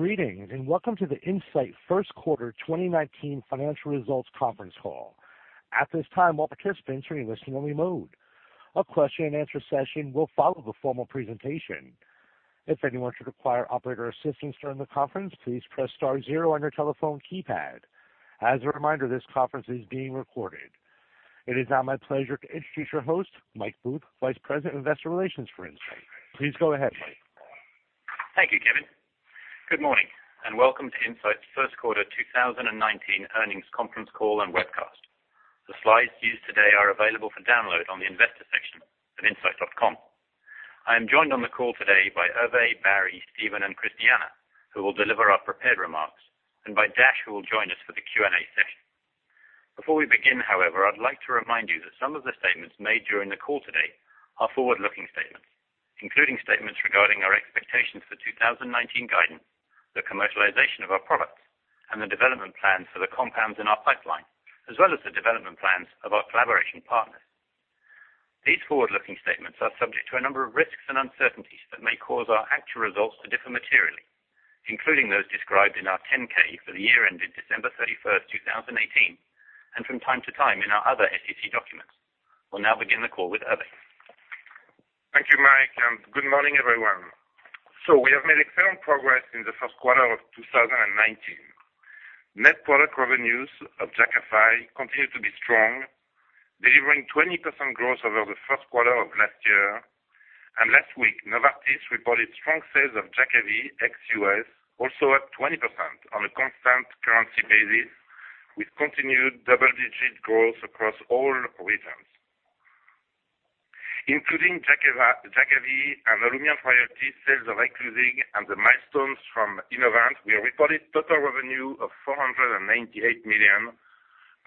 Greetings, and welcome to the Incyte first quarter 2019 financial results conference call. At this time, all participants are in listen-only mode. A question and answer session will follow the formal presentation. If anyone should require operator assistance during the conference, please press star zero on your telephone keypad. As a reminder, this conference is being recorded. It is now my pleasure to introduce your host, Michael Booth, Vice President of Investor Relations for Incyte. Please go ahead, Mike. Thank you, Kevin. Good morning and welcome to Incyte's first quarter 2019 earnings conference call and webcast. The slides used today are available for download on the investor section at incyte.com. I am joined on the call today by Hervé, Barry, Steven, and Christiana, who will deliver our prepared remarks, and by Dash, who will join us for the Q&A session. Before we begin, however, I'd like to remind you that some of the statements made during the call today are forward-looking statements, including statements regarding our expectations for 2019 guidance, the commercialization of our products, and the development plans for the compounds in our pipeline, as well as the development plans of our collaboration partners. These forward-looking statements are subject to a number of risks and uncertainties that may cause our actual results to differ materially, including those described in our 10-K for the year ending December 31st, 2018, and from time to time in our other SEC documents. We'll now begin the call with Hervé. Thank you, Mike, and good morning, everyone. We have made excellent progress in the first quarter of 2019. Net product revenues of Jakafi continue to be strong, delivering 20% growth over the first quarter of last year. Last week, Novartis reported strong sales of Jakavi ex U.S. also up 20% on a constant currency basis, with continued double-digit growth across all regions. Including Jakavi and Olumiant royalty sales of RYBREVANT and the milestones from Innovent, we reported total revenue of $498 million,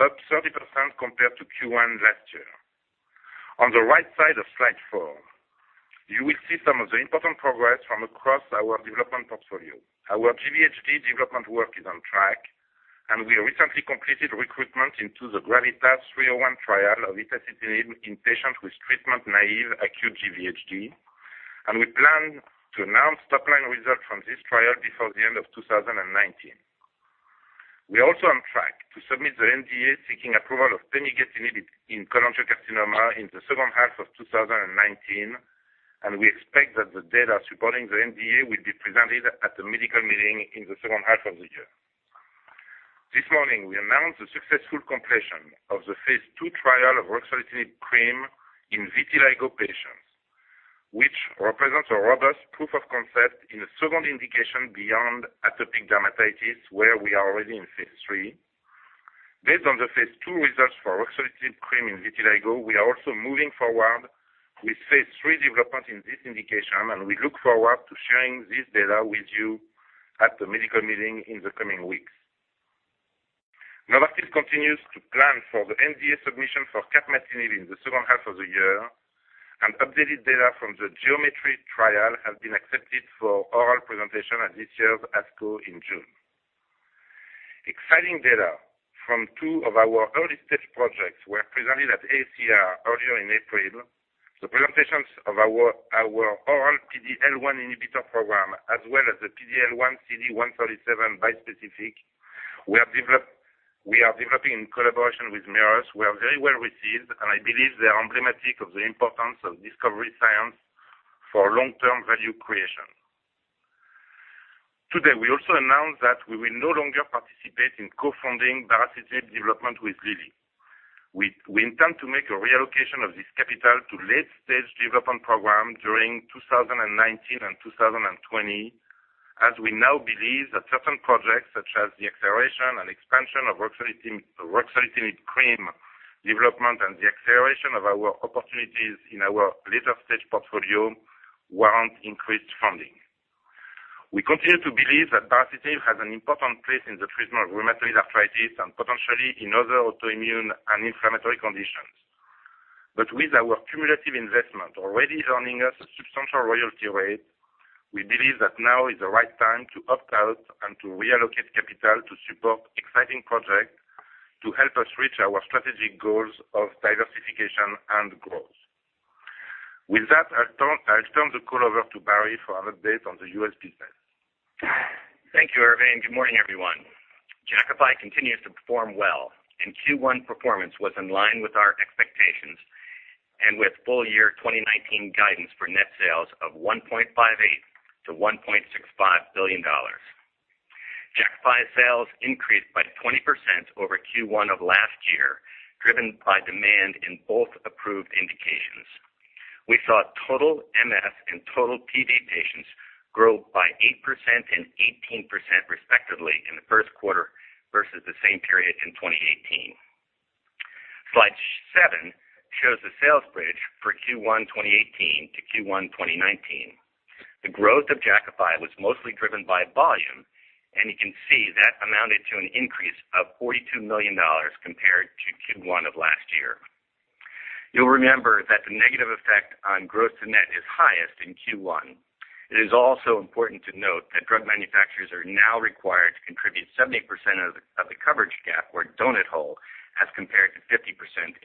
up 30% compared to Q1 last year. On the right side of slide four, you will see some of the important progress from across our development portfolio. Our GVHD development work is on track. We recently completed recruitment into the GRAVITAS-301 trial of itacitinib in patients with treatment-naive acute GVHD. We plan to announce top-line results from this trial before the end of 2019. We are also on track to submit the NDA seeking approval of pemigatinib in colorectal carcinoma in the second half of 2019. We expect that the data supporting the NDA will be presented at the medical meeting in the second half of the year. This morning, we announced the successful completion of the phase II trial of ruxolitinib cream in vitiligo patients, which represents a robust proof of concept in a second indication beyond atopic dermatitis, where we are already in phase III. Based on the phase II results for ruxolitinib cream in vitiligo, we are also moving forward with phase III development in this indication. We look forward to sharing this data with you at the medical meeting in the coming weeks. Novartis continues to plan for the NDA submission for capmatinib in the second half of the year. Updated data from the GEOMETRY trial has been accepted for oral presentation at this year's ASCO in June. Exciting data from two of our early-stage projects were presented at AACR earlier in April. The presentations of our oral PD-L1 inhibitor program, as well as the PD-L1 CD137 bispecific we are developing in collaboration with Merus, were very well-received. I believe they are emblematic of the importance of discovery science for long-term value creation. Today, we also announced that we will no longer participate in co-funding baricitinib development with Lilly. We intend to make a reallocation of this capital to late-stage development program during 2019 and 2020, as we now believe that certain projects such as the acceleration and expansion of ruxolitinib cream development and the acceleration of our opportunities in our later-stage portfolio warrant increased funding. We continue to believe that baricitinib has an important place in the treatment of rheumatoid arthritis and potentially in other autoimmune and inflammatory conditions. With our cumulative investment already earning us a substantial royalty rate, we believe that now is the right time to opt out and to reallocate capital to support exciting projects to help us reach our strategic goals of diversification and growth. With that, I'll turn the call over to Barry for an update on the U.S. business. Thank you, Hervé, and good morning, everyone. Jakafi continues to perform well. Q1 performance was in line with our expectations and with full year 2019 guidance for net sales of $1.58 billion-$1.65 billion. Jakafi sales increased by 20% over Q1 of last year, driven by demand in both approved indications. We saw total MF and total PV patients grow by 8% and 18% respectively in the first quarter versus the same period in 2018. Slide seven shows the sales bridge for Q1 2018 to Q1 2019. The growth of Jakafi was mostly driven by volume. You can see that amounted to an increase of $42 million compared to Q1 of last year. You'll remember that the negative effect on gross to net is highest in Q1. It is also important to note that drug manufacturers are now required to contribute 70% of the coverage gap or donut hole as compared to 50%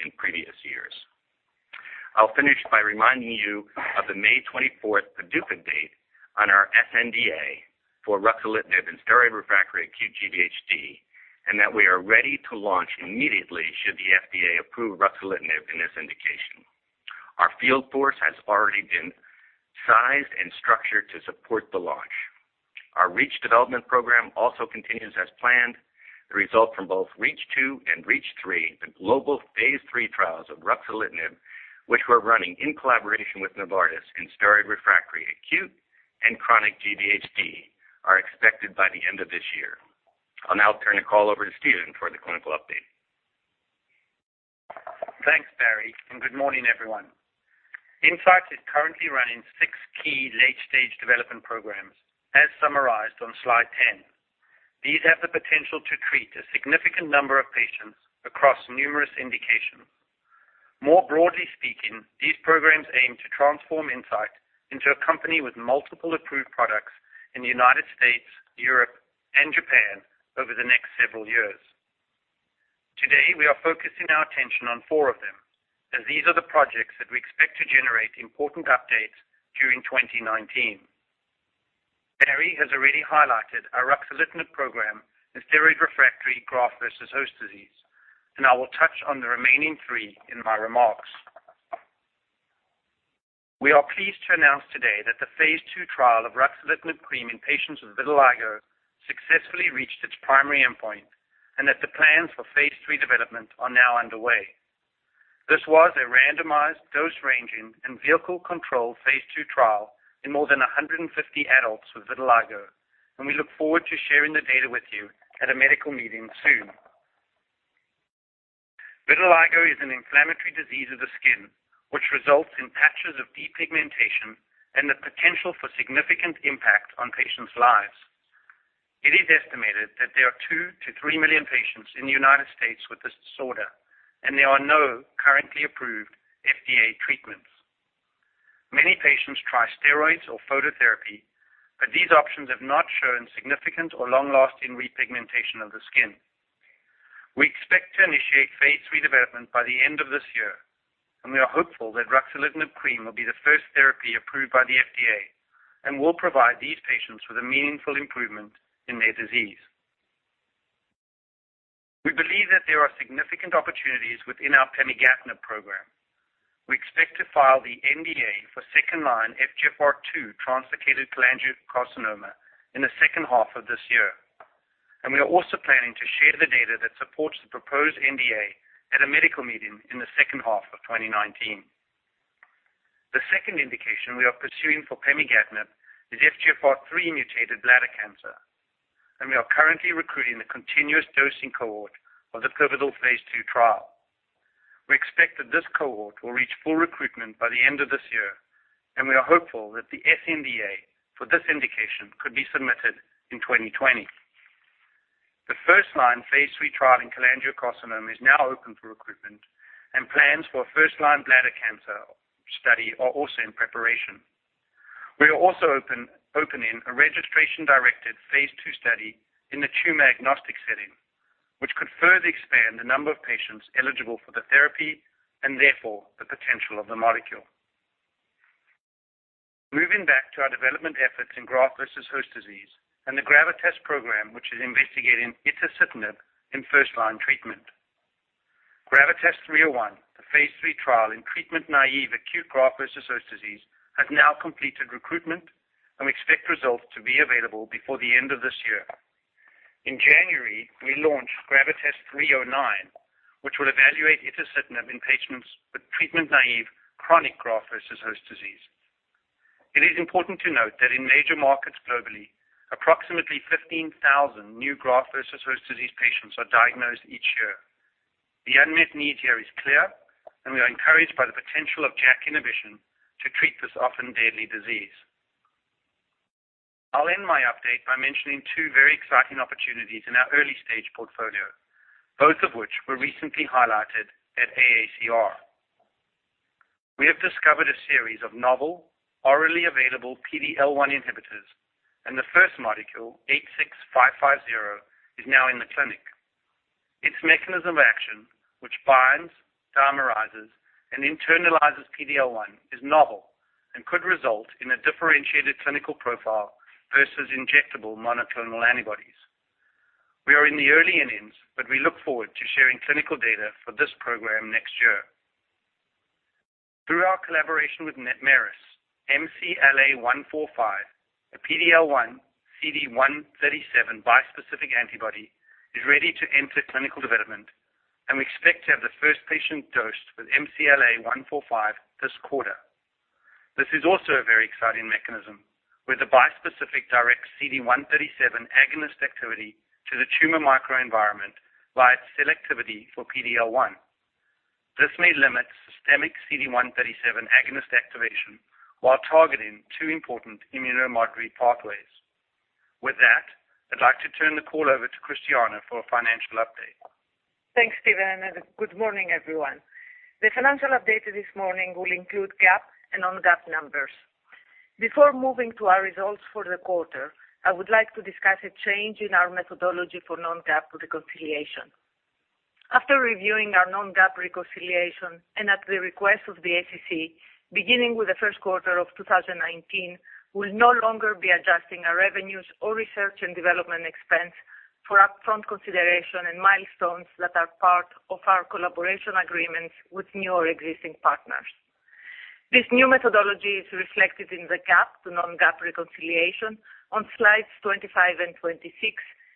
in previous years. I'll finish by reminding you of the May 24th PDUFA date on our sNDA for ruxolitinib in steroid-refractory acute GVHD, and that we are ready to launch immediately should the FDA approve ruxolitinib in this indication. Our field force has already been sized and structured to support the launch. Our REACH development program also continues as planned. The result from both REACH2 and REACH3, the global phase III trials of ruxolitinib, which we're running in collaboration with Novartis in steroid-refractory acute and chronic GVHD, are expected by the end of this year. I'll now turn the call over to Steven for the clinical update. Thanks, Barry. Good morning, everyone. Incyte is currently running six key late-stage development programs, as summarized on slide 10. These have the potential to treat a significant number of patients across numerous indications. More broadly speaking, these programs aim to transform Incyte into a company with multiple approved products in the U.S., Europe, and Japan over the next several years. Today, we are focusing our attention on four of them, as these are the projects that we expect to generate important updates during 2019. Barry has already highlighted our ruxolitinib program in steroid-refractory graft-versus-host disease, and I will touch on the remaining three in my remarks. We are pleased to announce today that the phase II trial of ruxolitinib cream in patients with vitiligo successfully reached its primary endpoint, and that the plans for phase III development are now underway. This was a randomized dose ranging and vehicle-controlled phase II trial in more than 150 adults with vitiligo, and we look forward to sharing the data with you at a medical meeting soon. Vitiligo is an inflammatory disease of the skin, which results in patches of depigmentation and the potential for significant impact on patients' lives. It is estimated that there are 2 million to 3 million patients in the U.S. with this disorder, and there are no currently approved FDA treatments. Many patients try steroids or phototherapy, but these options have not shown significant or long-lasting repigmentation of the skin. We expect to initiate phase III development by the end of this year, and we are hopeful that ruxolitinib cream will be the first therapy approved by the FDA and will provide these patients with a meaningful improvement in their disease. We believe that there are significant opportunities within our pemigatinib program. We expect to file the NDA for second-line FGFR2 translocated cholangiocarcinoma in the second half of this year, and we are also planning to share the data that supports the proposed NDA at a medical meeting in the second half of 2019. The second indication we are pursuing for pemigatinib is FGFR3-mutated bladder cancer, and we are currently recruiting the continuous dosing cohort of the pivotal phase II trial. We expect that this cohort will reach full recruitment by the end of this year, and we are hopeful that the sNDA for this indication could be submitted in 2020. The first-line phase III trial in cholangiocarcinoma is now open for recruitment, and plans for first-line bladder cancer study are also in preparation. We are also opening a registration-directed phase II study in the tumor-agnostic setting, which could further expand the number of patients eligible for the therapy and therefore the potential of the molecule. Moving back to our development efforts in graft-versus-host disease and the GRAVITAS program, which is investigating itacitinib in first-line treatment. GRAVITAS-301, the phase III trial in treatment-naive acute graft-versus-host disease, has now completed recruitment, and we expect results to be available before the end of this year. In January, we launched GRAVITAS-309, which will evaluate itacitinib in patients with treatment-naive chronic graft-versus-host disease. It is important to note that in major markets globally, approximately 15,000 new graft-versus-host disease patients are diagnosed each year. The unmet need here is clear, and we are encouraged by the potential of JAK inhibition to treat this often deadly disease. I'll end my update by mentioning two very exciting opportunities in our early-stage portfolio, both of which were recently highlighted at AACR. We have discovered a series of novel orally available PD-L1 inhibitors, and the first molecule, H6550, is now in the clinic. Its mechanism of action, which binds, dimerizes, and internalizes PD-L1, is novel and could result in a differentiated clinical profile versus injectable monoclonal antibodies. We are in the early innings, but we look forward to sharing clinical data for this program next year. Through our collaboration with Merus, MCLA-145, a PD-L1 CD137 bispecific antibody, is ready to enter clinical development, and we expect to have the first patient dosed with MCLA-145 this quarter. This is also a very exciting mechanism, where the bispecific directs CD137 agonist activity to the tumor microenvironment via its selectivity for PD-L1. This may limit systemic CD137 agonist activation while targeting two important immunomodulatory pathways. With that, I'd like to turn the call over to Christiana for a financial update. Thanks, Steven, and good morning, everyone. The financial update this morning will include GAAP and non-GAAP numbers. Before moving to our results for the quarter, I would like to discuss a change in our methodology for non-GAAP reconciliation. After reviewing our non-GAAP reconciliation and at the request of the SEC, beginning with the first quarter of 2019, we'll no longer be adjusting our revenues or research and development expense for upfront consideration and milestones that are part of our collaboration agreements with new or existing partners. This new methodology is reflected in the GAAP to non-GAAP reconciliation on slides 25 and 26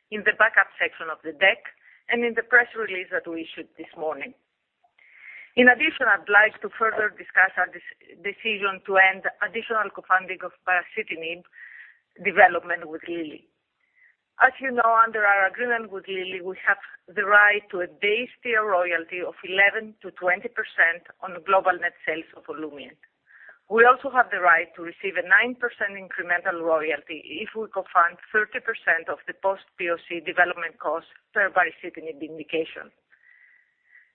in the backup section of the deck, and in the press release that we issued this morning. In addition, I'd like to further discuss our decision to end additional co-funding of baricitinib development with Lilly. As you know, under our agreement with Lilly, we have the right to a base tier royalty of 11%-20% on global net sales of Olumiant. We also have the right to receive a 9% incremental royalty if we co-fund 30% of the post-POC development costs per baricitinib indication.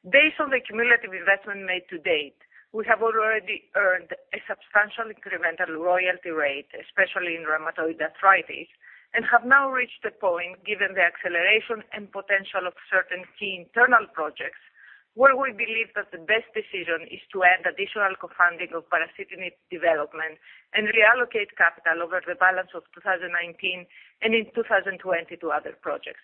Based on the cumulative investment made to date, we have already earned a substantial incremental royalty rate, especially in rheumatoid arthritis, and have now reached a point, given the acceleration and potential of certain key internal projects, where we believe that the best decision is to end additional co-funding of baricitinib development and reallocate capital over the balance of 2019 and in 2020 to other projects.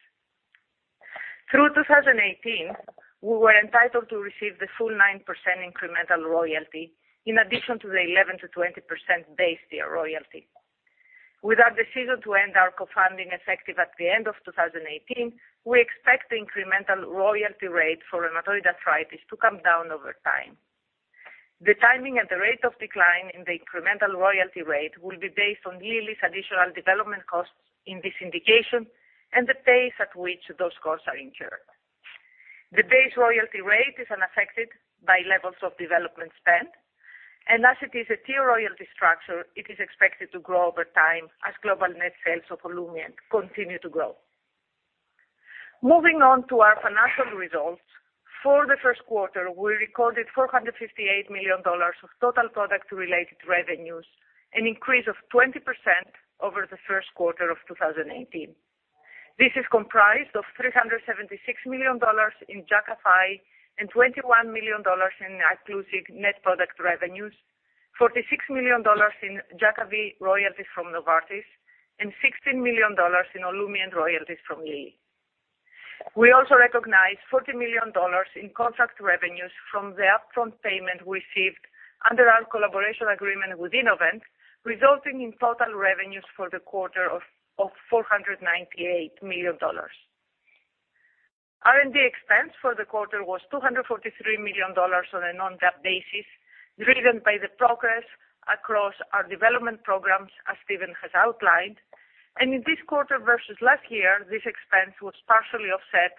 Through 2018, we were entitled to receive the full 9% incremental royalty in addition to the 11%-20% base tier royalty. With our decision to end our co-funding effective at the end of 2018, we expect the incremental royalty rate for rheumatoid arthritis to come down over time. The timing and the rate of decline in the incremental royalty rate will be based on Lilly's additional development costs in this indication and the pace at which those costs are incurred. The base royalty rate is unaffected by levels of development spend, and as it is a tier royalty structure, it is expected to grow over time as global net sales of Olumiant continue to grow. Moving on to our financial results. For the first quarter, we recorded $458 million of total product-related revenues, an increase of 20% over the first quarter of 2018. This is comprised of $376 million in Jakafi and $21 million in Iclusig net product revenues, $46 million in Jakavi royalties from Novartis, and $16 million in Olumiant royalties from Lilly. We also recognized $40 million in contract revenues from the upfront payment received under our collaboration agreement with Innovent, resulting in total revenues for the quarter of $498 million. R&D expense for the quarter was $243 million on a non-GAAP basis, driven by the progress across our development programs, as Steven has outlined. In this quarter versus last year, this expense was partially offset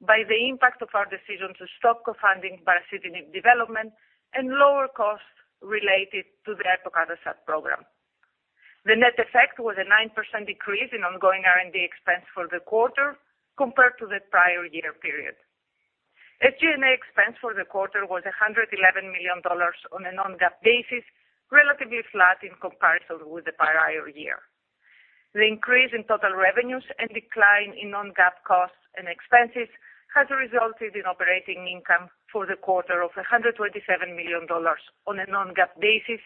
by the impact of our decision to stop co-funding baricitinib development and lower costs related to the epacadostat program. The net effect was a 9% decrease in ongoing R&D expense for the quarter compared to the prior year period. SG&A expense for the quarter was $111 million on a non-GAAP basis, relatively flat in comparison with the prior year. The increase in total revenues and decline in non-GAAP costs and expenses has resulted in operating income for the quarter of $127 million on a non-GAAP basis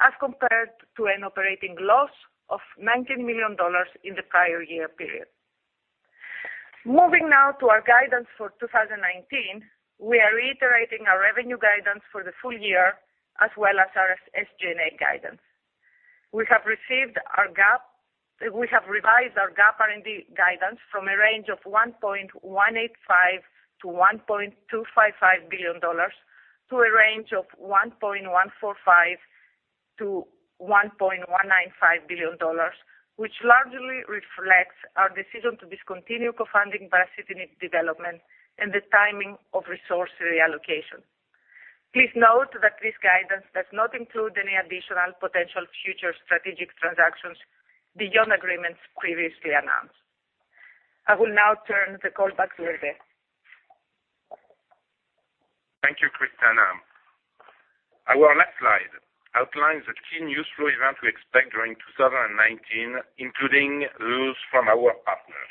as compared to an operating loss of negative $19 million in the prior year period. Moving now to our guidance for 2019, we are reiterating our revenue guidance for the full year, as well as our SG&A guidance. We have revised our GAAP R&D guidance from a range of $1.185 billion-$1.255 billion to a range of $1.145 billion-$1.195 billion, which largely reflects our decision to discontinue co-funding baricitinib development and the timing of resource reallocation. Please note that this guidance does not include any additional potential future strategic transactions beyond agreements previously announced. I will now turn the call back to Hervé. Thank you, Christiana. Our last slide outlines the key news flow events we expect during 2019, including those from our partners.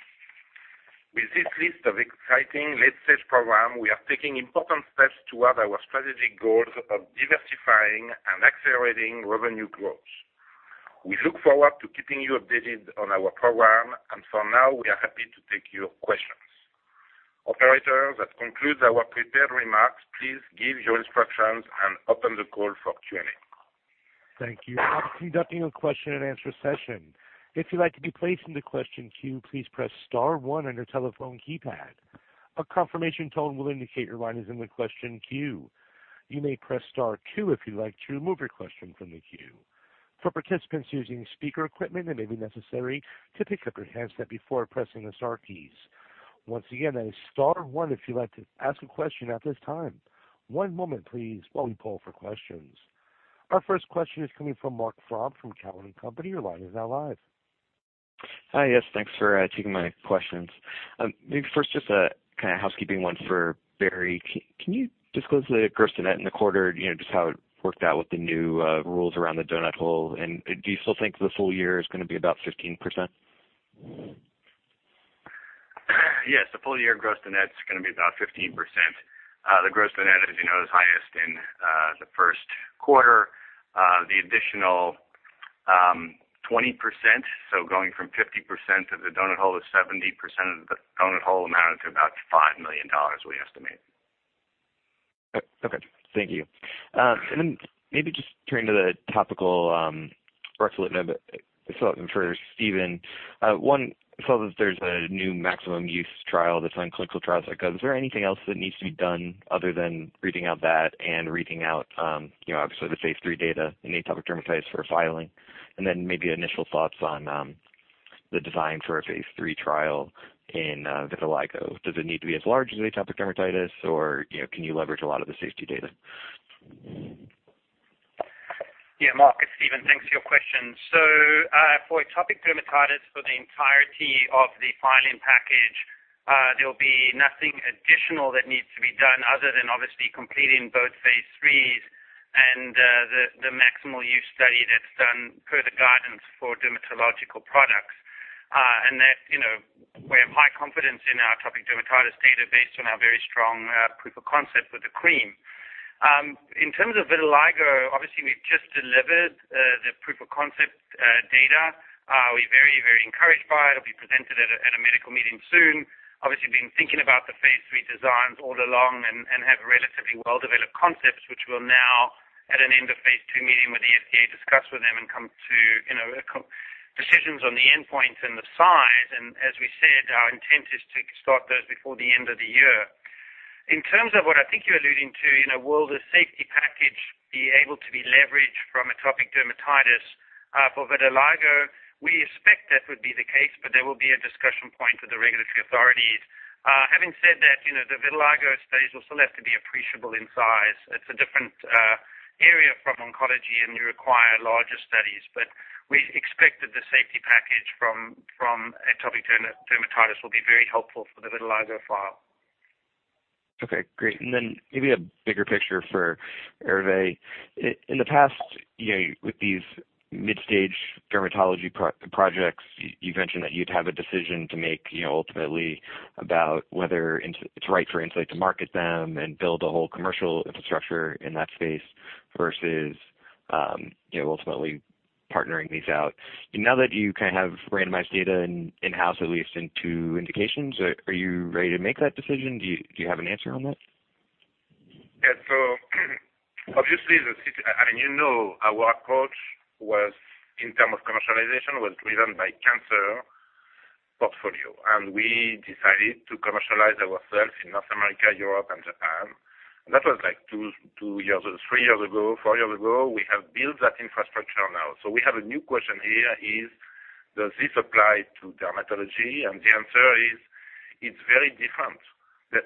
With this list of exciting late-stage programs, we are taking important steps toward our strategic goals of diversifying and accelerating revenue growth. We look forward to keeping you updated on our program, and for now, we are happy to take your questions. Operator, that concludes our prepared remarks. Please give your instructions and open the call for Q&A. Thank you. I'm conducting a question and answer session. If you'd like to be placed in the question queue, please press star one on your telephone keypad. A confirmation tone will indicate your line is in the question queue. You may press star two if you'd like to remove your question from the queue. For participants using speaker equipment, it may be necessary to pick up your handset before pressing the star keys. Once again, that is star one if you'd like to ask a question at this time. One moment, please, while we poll for questions. Our first question is coming from Marc Frahm from Cowen and Company. Your line is now live. Hi. Yes, thanks for taking my questions. Maybe first, just a kind of housekeeping one for Barry. Can you disclose the gross to net in the quarter? Just how it worked out with the new rules around the donut hole. Do you still think the full year is going to be about 15%? Yes, the full-year gross to net is going to be about 15%. The gross to net, as you know, is highest in the first quarter. The additional 20%, so going from 50% of the donut hole to 70% of the donut hole, amounted to about $5 million, we estimate. Okay. Thank you. Then maybe just turning to the topical ruxolitinib cream for Steven. One, saw that there is a new maximum use trial that is on ClinicalTrials.gov. Is there anything else that needs to be done other than reading out that and reading out, obviously, the phase III data in atopic dermatitis for filing? Then maybe initial thoughts on the design for a phase III trial in vitiligo. Does it need to be as large as atopic dermatitis or can you leverage a lot of the safety data? Yeah, Marc, it is Steven. Thanks for your question. For atopic dermatitis, for the entirety of the filing package, there will be nothing additional that needs to be done other than obviously completing both phase IIIs and the maximal use study that is done per the guidance for dermatological products. That we have high confidence in our atopic dermatitis data based on our very strong proof of concept with the cream. In terms of vitiligo, obviously, we have just delivered the proof of concept data. We are very encouraged by it. It will be presented at a medical meeting soon. Obviously, been thinking about the phase III designs all along and have relatively well-developed concepts, which we will now, at an end of phase II meeting with the FDA, discuss with them and come to decisions on the endpoint and the size. As we said, our intent is to start those before the end of the year. In terms of what I think you are alluding to, will the safety package be able to be leveraged from atopic dermatitis for vitiligo? We expect that would be the case, but that will be a discussion point with the regulatory authorities. Having said that, the vitiligo studies will still have to be appreciable in size. It is a different area from oncology, and you require larger studies. We expect that the safety package from atopic dermatitis will be very helpful for the vitiligo file. Okay, great. Then maybe a bigger picture for Hervé. In the past, with these mid-stage dermatology projects, you have mentioned that you would have a decision to make, ultimately, about whether it is right for Incyte to market them and build a whole commercial infrastructure in that space versus ultimately partnering these out. Now that you have randomized data in-house, at least in two indications, are you ready to make that decision? Do you have an answer on that? Yeah. Obviously, you know our approach in term of commercialization was driven by cancer portfolio, and we decided to commercialize ourself in North America, Europe, and Japan. That was two years, three years ago, four years ago. We have built that infrastructure now. We have a new question here, is, does this apply to dermatology? The answer is it's very different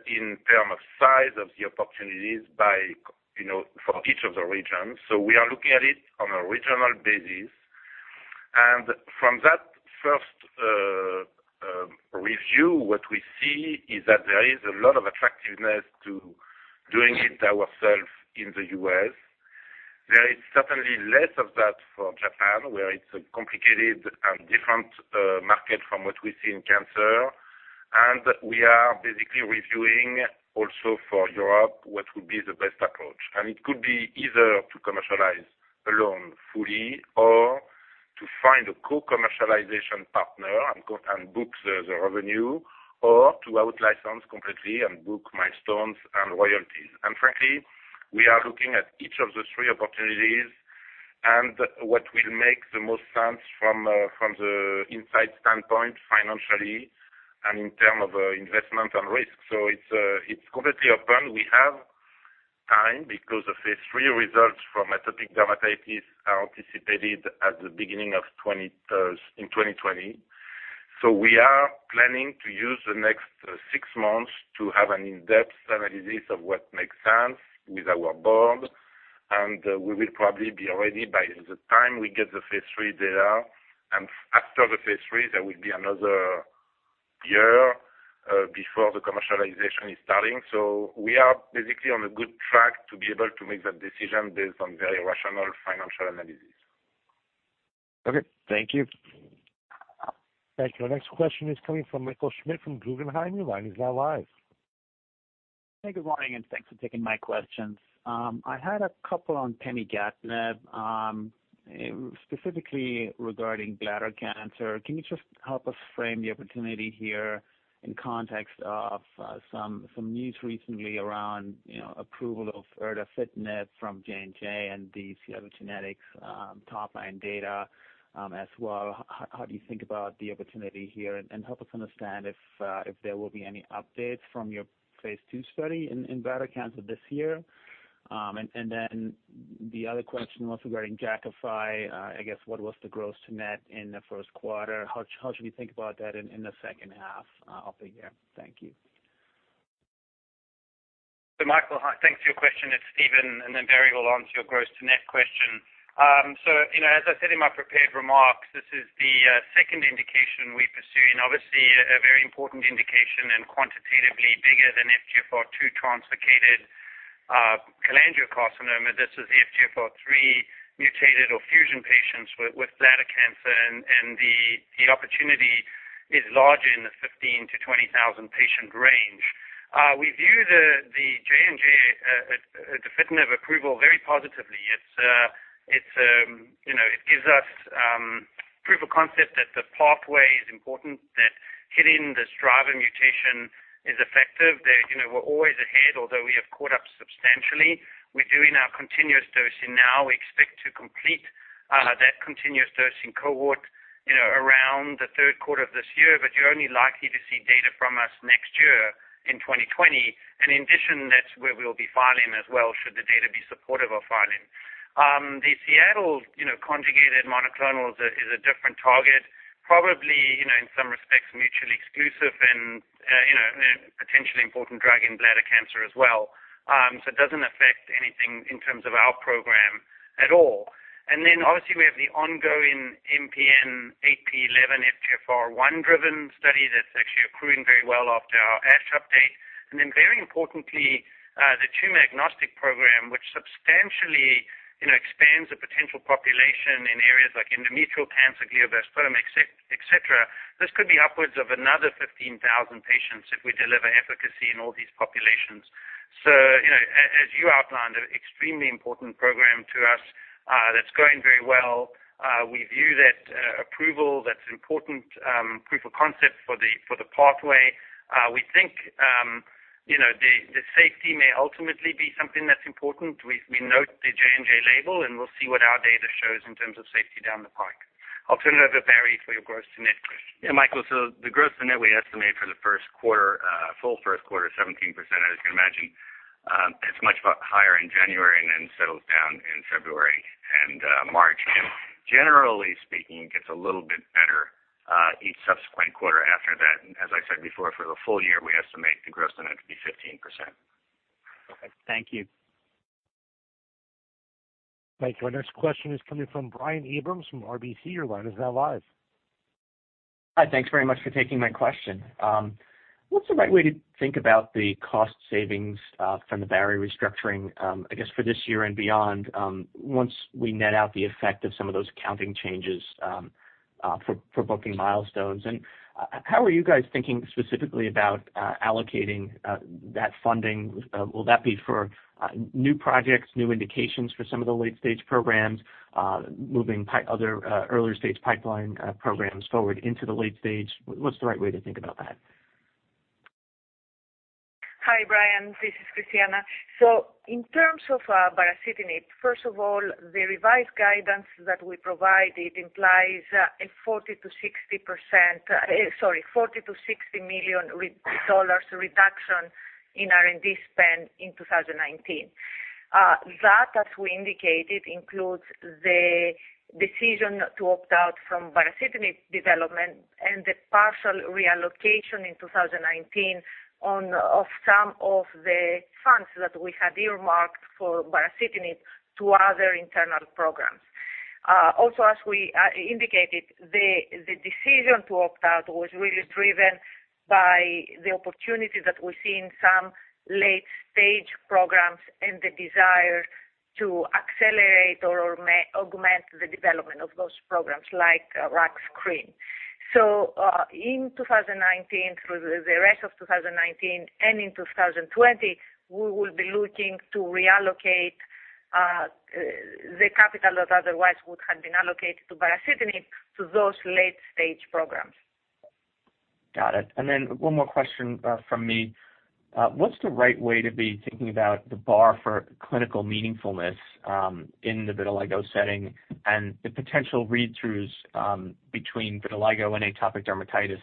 in term of size of the opportunities for each of the regions. We are looking at it on a regional basis. From that first review, what we see is that there is a lot of attractiveness to doing it ourself in the U.S. There is certainly less of that for Japan, where it's a complicated and different market from what we see in cancer. We are basically reviewing also for Europe what would be the best approach. It could be either to commercialize alone fully or to find a co-commercialization partner and book the revenue, or to out-license completely and book milestones and royalties. Frankly, we are looking at each of the three opportunities and what will make the most sense from the Incyte standpoint, financially and in term of investment and risk. It's completely open. We have time because the phase III results from atopic dermatitis are anticipated at the beginning in 2020. We are planning to use the next six months to have an in-depth analysis of what makes sense with our board, and we will probably be ready by the time we get the phase III data. After the phase III, there will be another year before the commercialization is starting. We are basically on a good track to be able to make that decision based on very rational financial analysis. Okay. Thank you. Thank you. Next question is coming from Michael Schmidt from Guggenheim. Your line is now live. Hey, good morning. Thanks for taking my questions. I had a couple on pemigatinib, specifically regarding bladder cancer. Can you just help us frame the opportunity here in context of some news recently around approval of erdafitinib from J&J and the Seattle Genetics top-line data as well? How do you think about the opportunity here? Help us understand if there will be any updates from your phase II study in bladder cancer this year. The other question was regarding Jakafi. I guess what was the gross to net in the first quarter? How should we think about that in the second half of the year? Thank you. Michael, hi. Thanks for your question. It's Steven, and then Barry will answer your gross to net question. As I said in my prepared remarks, this is the 2nd indication we pursue, obviously a very important indication and quantitatively bigger than FGFR2 translocated cholangiocarcinoma. This is the FGFR3 mutated or fusion patients with bladder cancer, the opportunity is large in the 15,000-20,000 patient range. We view the J&J erdafitinib approval very positively. It gives us proof of concept that the pathway is important, that hitting this driver mutation is effective. We're always ahead, although we have caught up substantially. We're doing our continuous dosing now. We expect to complete that continuous dosing cohort around the third quarter of this year, but you're only likely to see data from us next year in 2020. In addition, that's where we'll be filing as well, should the data be supportive of filing. The Seattle conjugated monoclonal is a different target, probably, in some respects, mutually exclusive and potentially important drug in bladder cancer as well. It doesn't affect anything in terms of our program at all. Obviously we have the ongoing MPN AP11 FGFR1-driven study that's actually accruing very well after our ASH update. Very importantly, the tumor-agnostic program, which substantially expands the potential population in areas like endometrial cancer, glioblastoma, et cetera. This could be upwards of another 15,000 patients if we deliver efficacy in all these populations. As you outlined, an extremely important program to us that's going very well. We view that approval, that's important proof of concept for the pathway. We think the safety may ultimately be something that's important. We note the J&J label, we'll see what our data shows in terms of safety down the pike. I'll turn it over to Barry for your gross to net question. Yeah, Michael, the gross to net we estimate for the full first quarter is 17%. As you can imagine, it's much higher in January and then settles down in February and March and generally speaking, gets a little bit better each subsequent quarter after that. As I said before, for the full year, we estimate the gross to net to be 15%. Okay. Thank you. Thank you. Our next question is coming from Brian Abrahams from RBC. Your line is now live. Hi. Thanks very much for taking my question. What's the right way to think about the cost savings from the baricitinib restructuring, I guess, for this year and beyond, once we net out the effect of some of those accounting changes for booking milestones? How are you guys thinking specifically about allocating that funding? Will that be for new projects, new indications for some of the late-stage programs, moving other earlier stage pipeline programs forward into the late stage? What's the right way to think about that? Hi, Brian. This is Christiana. In terms of baricitinib, first of all, the revised guidance that we provided implies a $40 million-$60 million reduction in R&D spend in 2019. That, as we indicated, includes the decision to opt out from baricitinib development and the partial reallocation in 2019 of some of the funds that we had earmarked for baricitinib to other internal programs. Also, as we indicated, the decision to opt out was really driven by the opportunity that we see in some late-stage programs and the desire to accelerate or augment the development of those programs, like Rux cream. In 2019, through the rest of 2019 and in 2020, we will be looking to reallocate the capital that otherwise would have been allocated to baricitinib to those late-stage programs. Got it. Then one more question from me. What's the right way to be thinking about the bar for clinical meaningfulness in the vitiligo setting and the potential read-throughs between vitiligo and atopic dermatitis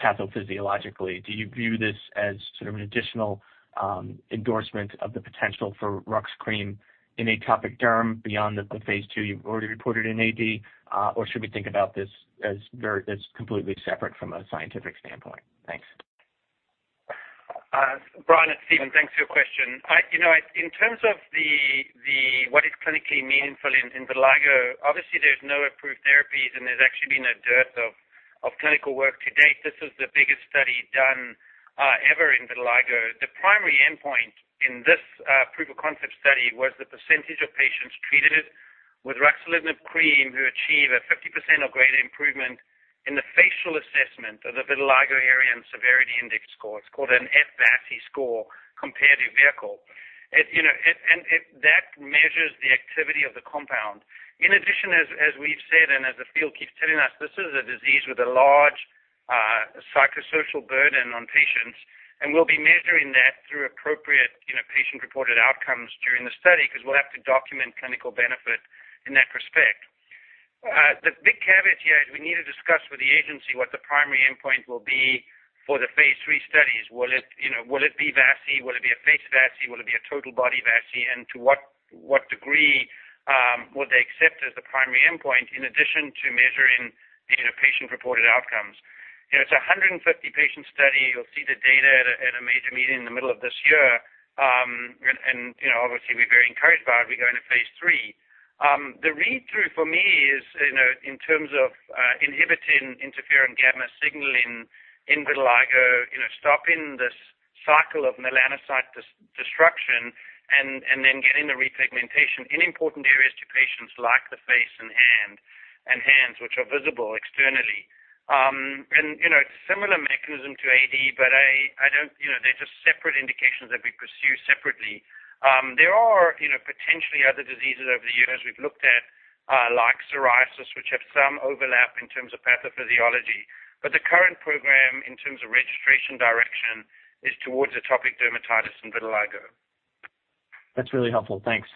pathophysiologically? Do you view this as sort of an additional endorsement of the potential for ruxolitinib cream in atopic derm beyond the phase II you've already reported in AD? Should we think about this as completely separate from a scientific standpoint? Thanks. Brian, it's Steven. Thanks for your question. In terms of what is clinically meaningful in vitiligo, obviously there's no approved therapies, and there's actually been a dearth of clinical work to date. This is the biggest study done ever in vitiligo. The primary endpoint in this proof of concept study was the percentage of patients treated with ruxolitinib cream who achieve a 50% or greater improvement in the facial assessment of the vitiligo area and severity index score. It's called an F-VASI score compared to vehicle. That measures the activity of the compound. In addition, as we've said, as the field keeps telling us, this is a disease with a large psychosocial burden on patients, and we'll be measuring that through appropriate patient-reported outcomes during the study because we'll have to document clinical benefit in that respect. The big caveat here is we need to discuss with the agency what the primary endpoint will be for the phase III studies. Will it be VASI? Will it be a F-VASI? Will it be a total body VASI? To what degree they accept as the primary endpoint in addition to measuring patient-reported outcomes. It's a 150-patient study. You'll see the data at a major meeting in the middle of this year. Obviously, we're very encouraged by it. We go into phase III. The read-through for me is, in terms of inhibiting interferon gamma signaling in vitiligo, stopping this cycle of melanocyte destruction and then getting the repigmentation in important areas to patients like the face and hands, which are visible externally. It's similar mechanism to AD, but they're just separate indications that we pursue separately. There are potentially other diseases over the years we've looked at, like psoriasis, which have some overlap in terms of pathophysiology. The current program, in terms of registration direction, is towards atopic dermatitis and vitiligo. That's really helpful. Thanks.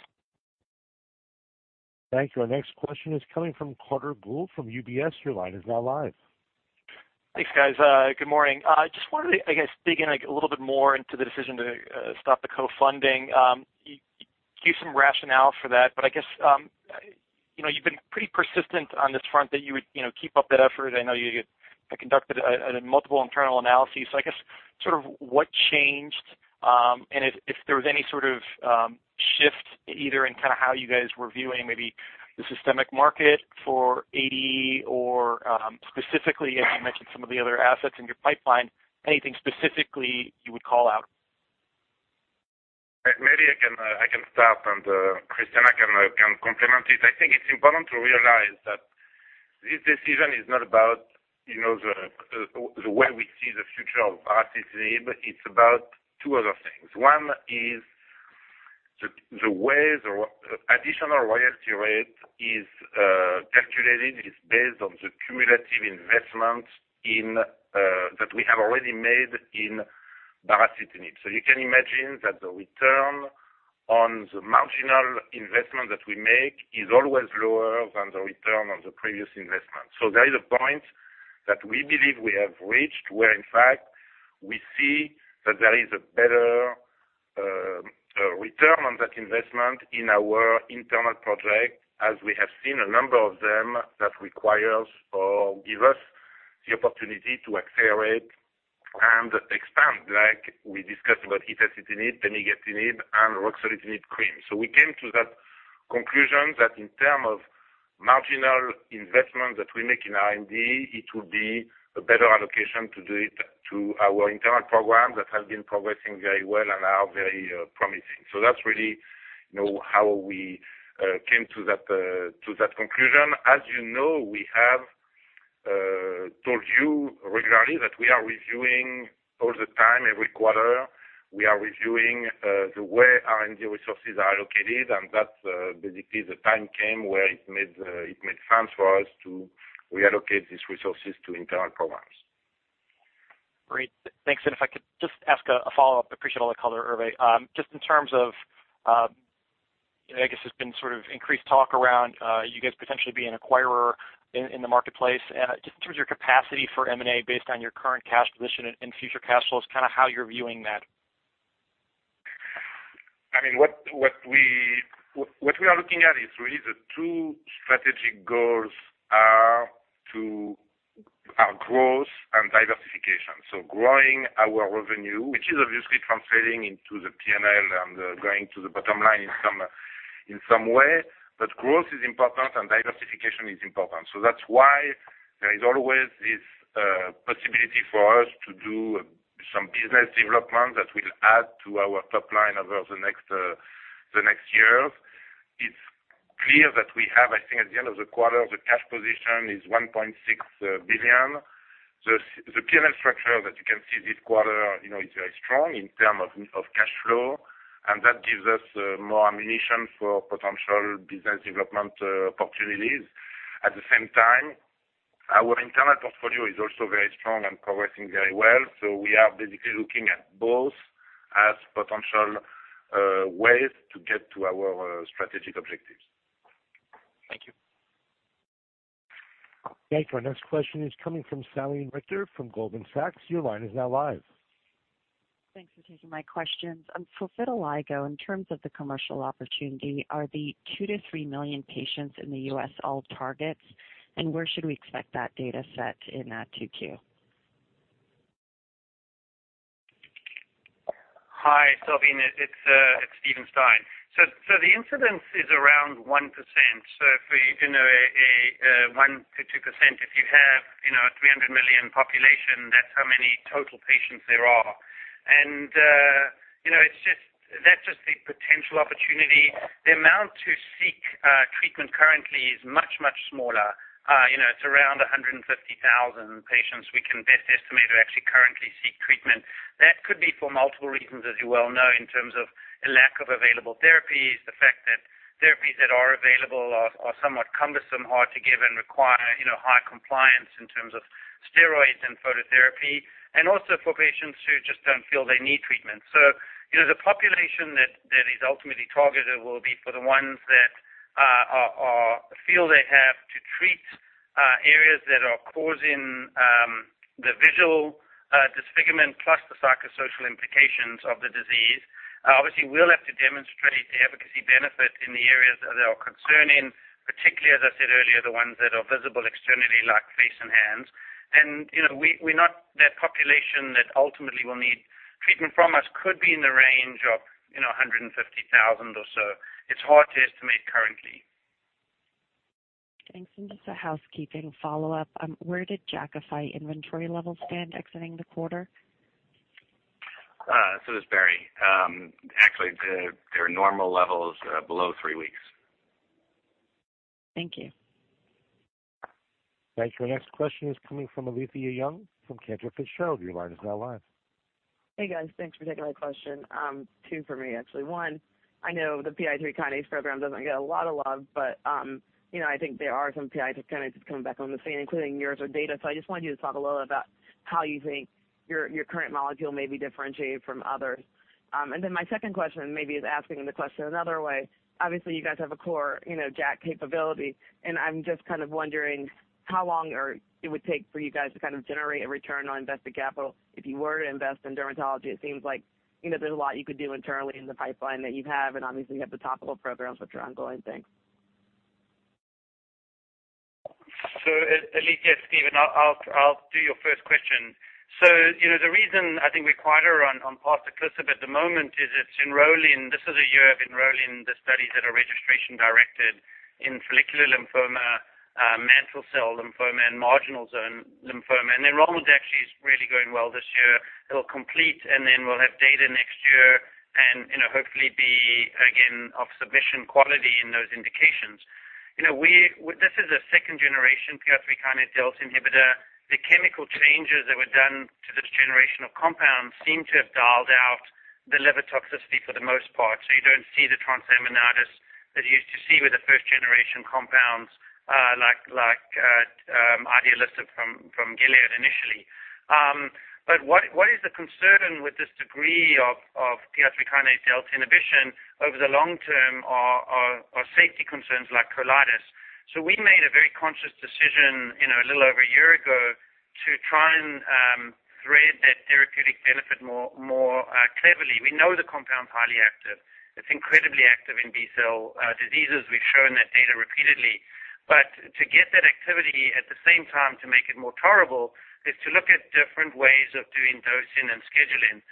Thank you. Our next question is coming from Carter Gould from UBS. Your line is now live. Thanks, guys. Good morning. Just wanted to, I guess, dig in a little bit more into the decision to stop the co-funding. Give some rationale for that. I guess, you've been pretty persistent on this front that you would keep up that effort. I know you had conducted multiple internal analyses. I guess, sort of what changed, and if there was any sort of shift either in how you guys were viewing maybe the systemic market for AD or specifically, as you mentioned some of the other assets in your pipeline, anything specifically you would call out? Maybe I can start, and Christiana can complement it. I think it's important to realize that this decision is not about the way we see the future of baricitinib. It's about two other things. One is the way the additional royalty rate is calculated is based on the cumulative investment that we have already made in baricitinib. You can imagine that the return on the marginal investment that we make is always lower than the return on the previous investment. There is a point that we believe we have reached where, in fact, we see that there is a better return on that investment in our internal project, as we have seen a number of them that requires or give us the opportunity to accelerate and expand, like we discussed about itacitinib, pemigatinib, and ruxolitinib cream. We came to that conclusion that in term of marginal investment that we make in R&D, it would be a better allocation to do it to our internal program that has been progressing very well and are very promising. That's really how we came to that conclusion. As you know, we have told you regularly that we are reviewing all the time, every quarter, we are reviewing the way R&D resources are allocated, and that basically the time came where it made sense for us to reallocate these resources to internal programs. Great. Thanks. If I could just ask a follow-up. Appreciate all the color, Hervé. Just in terms of, I guess there's been sort of increased talk around you guys potentially being an acquirer in the marketplace. Just in terms of your capacity for M&A based on your current cash position and future cash flows, kind of how you're viewing that. What we are looking at is really the two strategic goals are growth and diversification. Growing our revenue, which is obviously translating into the P&L and going to the bottom line in some way. Growth is important, and diversification is important. That's why there is always this possibility for us to do some business development that will add to our top line over the next years. It's clear that we have, I think at the end of the quarter, the cash position is $1.6 billion. The P&L structure that you can see this quarter is very strong in terms of cash flow, and that gives us more ammunition for potential business development opportunities. At the same time, our internal portfolio is also very strong and progressing very well. We are basically looking at both as potential ways to get to our strategic objectives. Thank you. Thank you. Our next question is coming from Salveen Richter from Goldman Sachs. Your line is now live. Thanks for taking my questions. For vitiligo, in terms of the commercial opportunity, are the 2 million to 3 million patients in the U.S. all targets? Where should we expect that data set in that 2Q? Hi, Salveen. It's Steven Stein. The incidence is around 1%. If you have 1%-2%, if you have 300 million population, that's how many total patients there are. That's just the potential opportunity. The amount to seek treatment currently is much, much smaller. It's around 150,000 patients we can best estimate who actually currently seek treatment. That could be for multiple reasons, as you well know, in terms of a lack of available therapies, the fact that therapies that are available are somewhat cumbersome, hard to give, and require high compliance in terms of steroids and phototherapy, and also for patients who just don't feel they need treatment. The population that is ultimately targeted will be for the ones that feel they have to treat areas that are causing the visual disfigurement plus the psychosocial implications of the disease. Obviously, we'll have to demonstrate the efficacy benefit in the areas that are concerning, particularly, as I said earlier, the ones that are visible externally, like face and hands. We're not that population that ultimately will need treatment from us, could be in the range of 150,000 or so. It's hard to estimate currently. Thanks. Just a housekeeping follow-up. Where did Jakafi inventory levels stand exiting the quarter? It's Barry. Actually, they are normal levels below three weeks. Thank you. Thank you. Our next question is coming from Alethia Young from Cantor Fitzgerald. Your line is now live. Hey, guys. Thanks for taking my question. Two for me, actually. One, I know the PI3 kinase program doesn't get a lot of love, I think there are some PI3 kinases coming back on the scene, including yours with data. I just wondered, you talk a little about how you think your current molecule may be differentiated from others. My second question maybe is asking the question another way. Obviously, you guys have a core JAK capability, and I'm just kind of wondering how long it would take for you guys to kind of generate a return on invested capital if you were to invest in dermatology. It seems like there's a lot you could do internally in the pipeline that you have, obviously, you have the topical programs, which are ongoing. Thanks. Alethia, it's Steven. I'll do your first question. The reason I think we're quieter on parsaclisib at the moment is it's enrolling. This is a year of enrolling the studies that are registration-directed in follicular lymphoma, mantle cell lymphoma, and marginal zone lymphoma. Enrollment actually is really going well this year. It'll complete, then we'll have data next year and hopefully be, again, of submission quality in those indications. This is a second-generation PI3 kinase delta inhibitor. The chemical changes that were done to this generation of compounds seem to have dialed out the liver toxicity for the most part. You don't see the transaminitis that you used to see with the first-generation compounds like idelalisib from Gilead initially. What is the concern with this degree of PI3 kinase delta inhibition over the long term are safety concerns like colitis. We made a very conscious decision a little over a year ago to try and thread that therapeutic benefit more cleverly. We know the compound's highly active. It's incredibly active in B-cell diseases. We've shown that data repeatedly. To get that activity at the same time to make it more tolerable is to look at different ways of doing dosing and scheduling.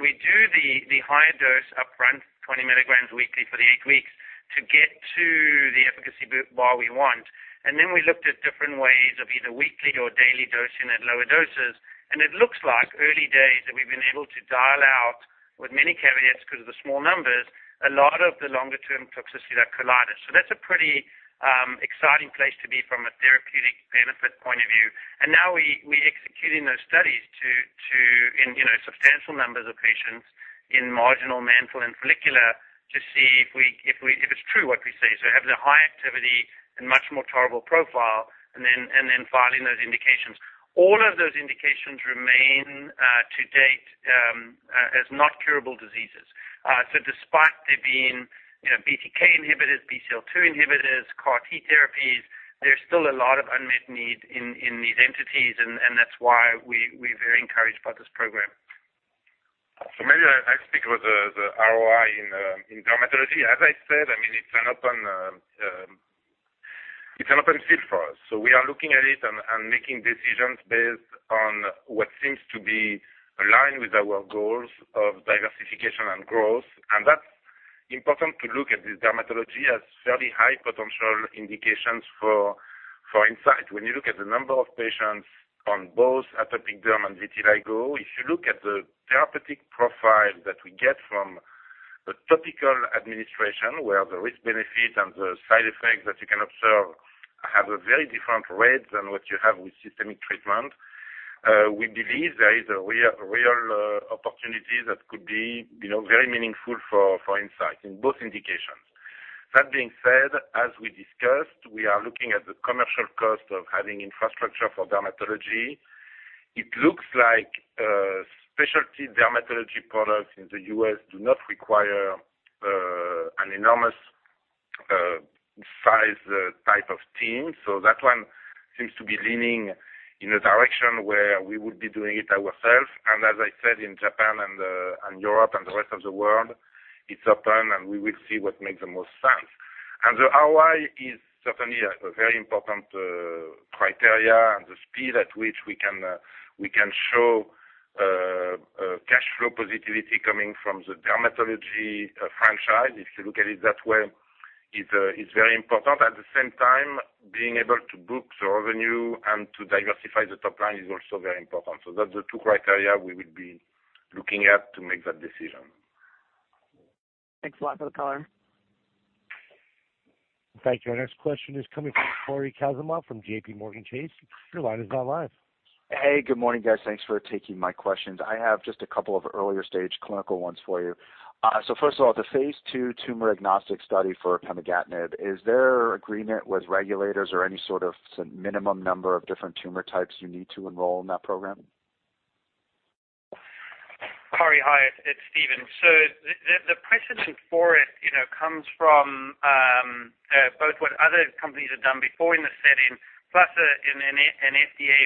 We do the higher dose upfront, 20 milligrams weekly for the eight weeks, to get to the efficacy bar we want. Then we looked at different ways of either weekly or daily dosing at lower doses. It looks like early days that we've been able to dial out with many caveats because of the small numbers, a lot of the longer-term toxicity like colitis. That's a pretty exciting place to be from a therapeutic benefit point of view. Now we're executing those studies in substantial numbers of patients in marginal mantle and follicular to see if it's true what we say. Having a high activity and much more tolerable profile, then filing those indications. All of those indications remain to date as not curable diseases. Despite there being BTK inhibitors, BCL-2 inhibitors, CAR T therapies, there's still a lot of unmet need in these entities, that's why we're very encouraged by this program. Maybe I speak about the ROI in dermatology. As I said, it's an open field for us. We are looking at it and making decisions based on what seems to be aligned with our goals of diversification and growth. That's important to look at this dermatology as fairly high potential indications for Incyte. When you look at the number of patients on both atopic derm and vitiligo, if you look at the therapeutic profile that we get from the topical administration, where the risk-benefit and the side effects that you can observe have a very different rate than what you have with systemic treatment, we believe there is a real opportunity that could be very meaningful for Incyte in both indications. That being said, as we discussed, we are looking at the commercial cost of having infrastructure for dermatology. It looks like specialty dermatology products in the U.S. do not require an enormous size type of team. That one seems to be leaning in a direction where we would be doing it ourselves. As I said, in Japan and Europe and the rest of the world, it's open, we will see what makes the most sense. The ROI is certainly a very important criteria, the speed at which we can show cash flow positivity coming from the dermatology franchise, if you look at it that way, is very important. At the same time, being able to book the revenue to diversify the top line is also very important. That's the two criteria we will be looking at to make that decision. Thanks a lot for the color. Thank you. Our next question is coming from Cory Kasimov from JPMorgan Chase. Your line is now live. Hey, good morning, guys. Thanks for taking my questions. I have just a couple of earlier-stage clinical ones for you. First of all, the phase II tumor-agnostic study for pemigatinib, is there agreement with regulators or any sort of minimum number of different tumor types you need to enroll in that program? Very high. It's Steven. The precedent for it comes from both what other companies have done before in the setting, plus an FDA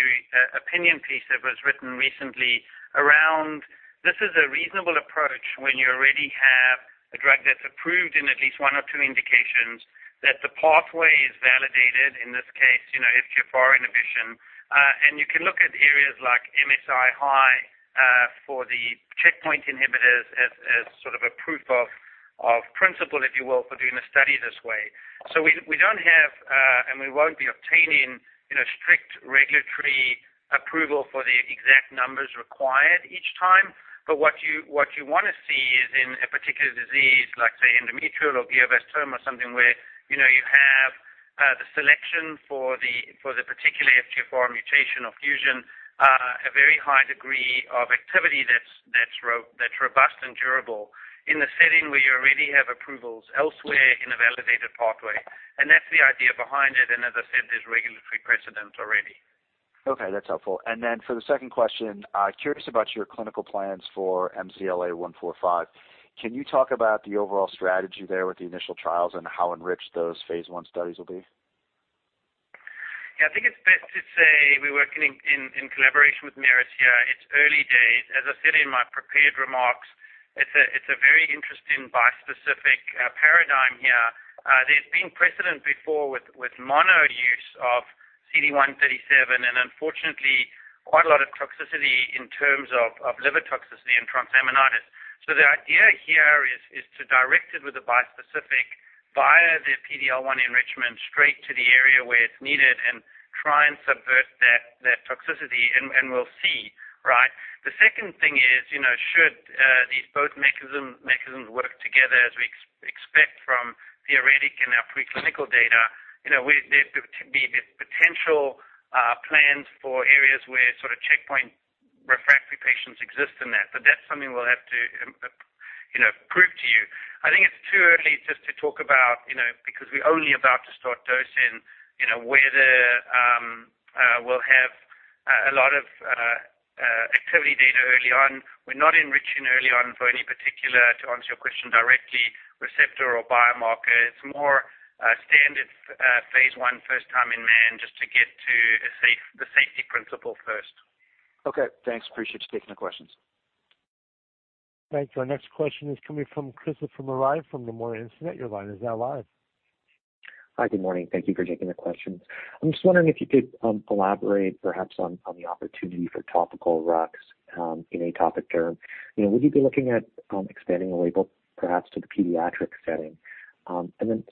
opinion piece that was written recently around this is a reasonable approach when you already have a drug that's approved in at least one or two indications that the pathway is validated, in this case, FGFR inhibition. You can look at areas like MSI high for the checkpoint inhibitors as sort of a proof of principle, if you will, for doing a study this way. We don't have, and we won't be obtaining strict regulatory approval for the exact numbers required each time. What you want to see is in a particular disease like, say, endometrial or GBM tumor, something where you have the selection for the particular FGFR mutation or fusion, a very high degree of activity that's robust and durable in the setting where you already have approvals elsewhere in a validated pathway. That's the idea behind it. As I said, there's regulatory precedent already. Okay, that's helpful. For the second question, curious about your clinical plans for MCLA-145. Can you talk about the overall strategy there with the initial trials and how enriched those phase I studies will be? Yeah, I think it's best to say we work in collaboration with Merus here. It's early days. As I said in my prepared remarks, it's a very interesting bispecific paradigm here. There's been precedent before with mono use of CD137 and unfortunately quite a lot of toxicity in terms of liver toxicity and transaminitis. The idea here is to direct it with a bispecific via the PD-L1 enrichment straight to the area where it's needed and try and subvert that toxicity, and we'll see. Right. The second thing is should these both mechanisms work together as we expect from theoretical and our preclinical data, there could be potential plans for areas where sort of checkpoint refractory patients exist in that. That's something we'll have to prove to you. I think it's too early just to talk about, because we're only about to start dosing, where there we'll have a lot of activity data early on. We're not enriching early on for any particular, to answer your question directly, receptor or biomarker. It's more standard phase I first time in man, just to get to the safety principle first. Okay, thanks. Appreciate you taking the questions. Thanks. Our next question is coming from Christopher Marai from Nomura Instinet. Your line is now live. Hi. Good morning. Thank you for taking the question. I'm just wondering if you could elaborate perhaps on the opportunity for topical rux in atopic derm. Would you be looking at expanding the label perhaps to the pediatric setting?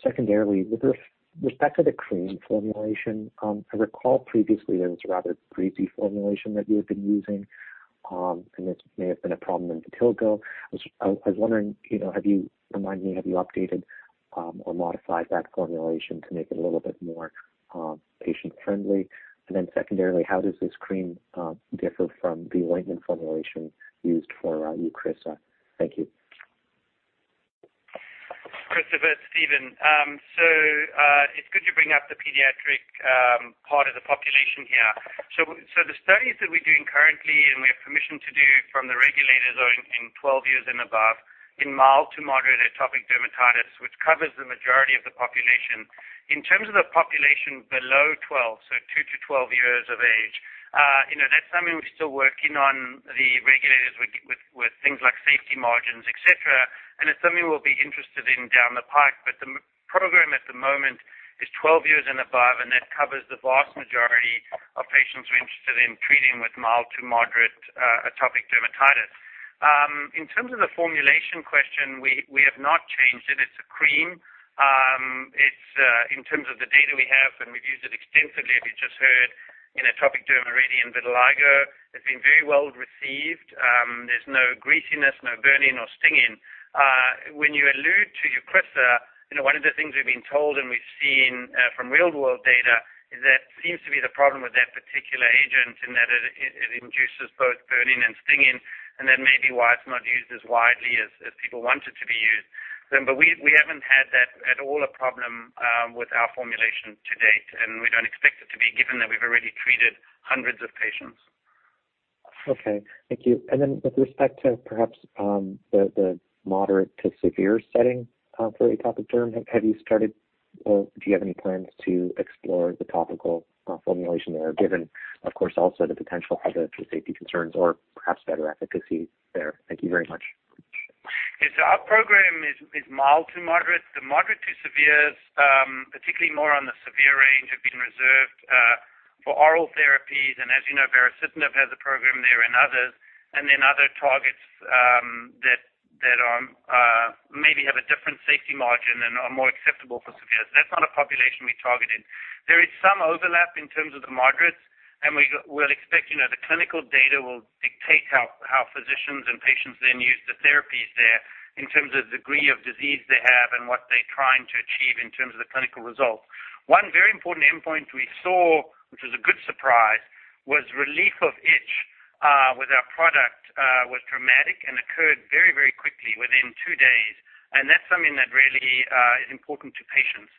Secondarily, with respect to the cream formulation, I recall previously there was a rather greasy formulation that you had been using, and this may have been a problem in vitiligo. I was wondering, remind me, have you updated or modified that formulation to make it a little bit more patient-friendly? Secondarily, how does this cream differ from the ointment formulation used for Eucrisa? Thank you. Christopher, Steven. It's good you bring up the pediatric part of the population here. The studies that we're doing currently, and we have permission to do from the regulators are in 12 years and above in mild to moderate atopic dermatitis, which covers the majority of the population. In terms of the population below 12, two to 12 years of age, that's something we're still working on the regulators with things like safety margins, et cetera, and it's something we'll be interested in down the pipe. The program at the moment is 12 years and above, and that covers the vast majority of patients we're interested in treating with mild to moderate atopic dermatitis. In terms of the formulation question, we have not changed it. It's a cream. In terms of the data we have, and we've used it extensively, as you just heard in atopic derm already, in vitiligo, it's been very well received. There's no greasiness, no burning or stinging. When you allude to Eucrisa, one of the things we've been told and we've seen from real world data is that seems to be the problem with that particular agent and that it induces both burning and stinging and that may be why it's not used as widely as people want it to be used. We haven't had that at all a problem with our formulation to date, and we don't expect it to be, given that we've already treated hundreds of patients. Then with respect to perhaps the moderate to severe setting for atopic derm, have you started or do you have any plans to explore the topical formulation there, given of course, also the potential other safety concerns or perhaps better efficacy there? Thank you very much. Our program is mild to moderate. The moderate to severes, particularly more on the severe range, have been reserved for oral therapies, and as you know, baricitinib has a program there and others, and then other targets that maybe have a different safety margin and are more acceptable for severes. That's not a population we targeted. There is some overlap in terms of the moderates, and we'll expect the clinical data will dictate how physicians and patients then use the therapies there in terms of degree of disease they have and what they're trying to achieve in terms of the clinical results. One very important endpoint we saw, which was a good surprise, was relief of itch with our product was dramatic and occurred very within two days. That's something that really is important to patients.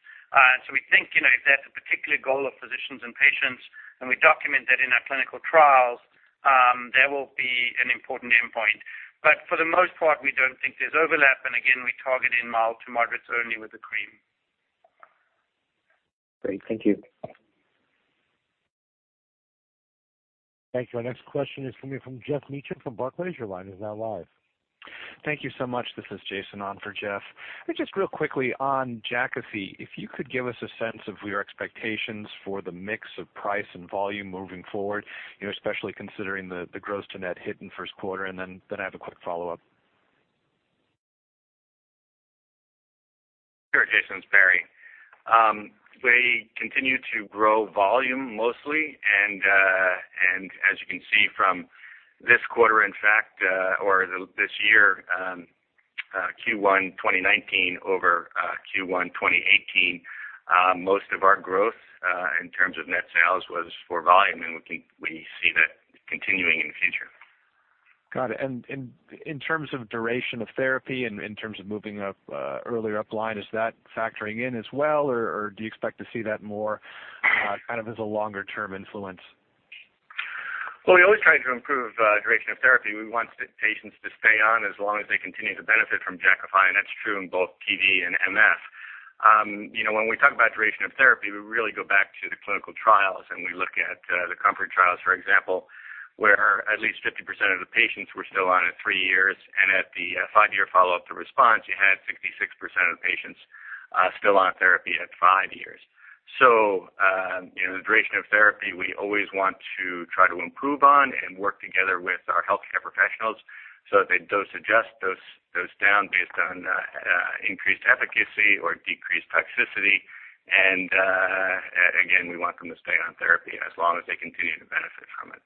We think, if that's a particular goal of physicians and patients, and we document that in our clinical trials, that will be an important endpoint. For the most part, we don't think there's overlap, and again, we target in mild to moderate certainly with the cream. Great. Thank you. Thank you. Our next question is coming from Geoff Meacham from Barclays. Your line is now live. Thank you so much. This is Jason on for Geoff. Just real quickly on Jakafi, if you could give us a sense of your expectations for the mix of price and volume moving forward, especially considering the gross to net hit in the first quarter. Then I have a quick follow-up. Sure, Jason, it's Barry. We continue to grow volume mostly. As you can see from this quarter in fact, or this year, Q1 2019 over Q1 2018, most of our growth, in terms of net sales, was for volume, and we see that continuing in the future. Got it. In terms of duration of therapy, and in terms of moving up earlier upline, is that factoring in as well, or do you expect to see that more as a longer-term influence? Well, we always try to improve duration of therapy. We want patients to stay on as long as they continue to benefit from Jakafi, and that is true in both PV and MF. When we talk about duration of therapy, we really go back to the clinical trials. We look at the COMFORT trials, for example, where at least 50% of the patients were still on at 3 years. At the 5-year follow-up, the response, you had 66% of patients still on therapy at 5 years. The duration of therapy we always want to try to improve on and work together with our healthcare professionals so that they dose adjust, dose down based on increased efficacy or decreased toxicity. Again, we want them to stay on therapy as long as they continue to benefit from it.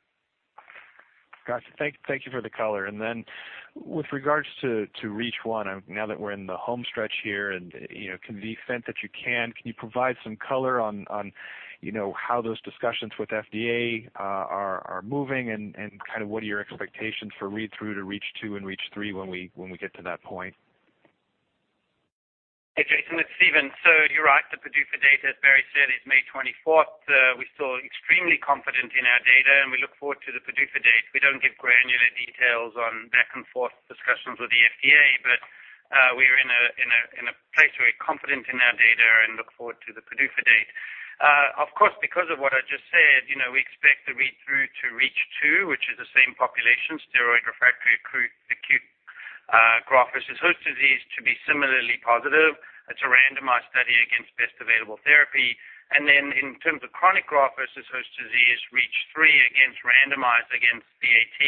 Got you. Thank you for the color. With regards to REACH1, now that we are in the home stretch here, to the extent that you can you provide some color on how those discussions with FDA are moving and what are your expectations for read-through to REACH2 and REACH3 when we get to that point? Hey, Jason, it is Steven. You are right. The PDUFA date, as Barry said, is May 24th. We are still extremely confident in our data, and we look forward to the PDUFA date. We do not give granular details on back-and-forth discussions with the FDA, but we are in a place where we are confident in our data and look forward to the PDUFA date. Of course, because of what I just said, we expect the read-through to REACH2, which is the same population, steroid-refractory, acute graft-versus-host disease to be similarly positive. It is a randomized study against best available therapy. In terms of chronic graft-versus-host disease, REACH3 randomized against BAT.